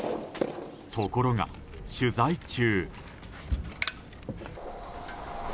ところが、取材中。